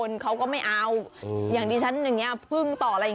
และตัวอ่อนมาทำอะไรรู้ไหม